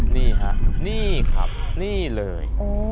นี่ครับนี่เลย